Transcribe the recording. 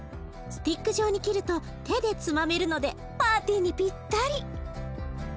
スティック状に切ると手でつまめるのでパーティーにピッタリ。